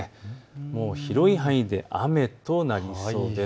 もう広い範囲で雨となりそうです。